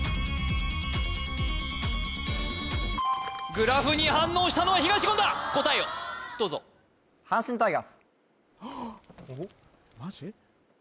グラフに反応したのは東言だ答えをどうぞ・マジ！？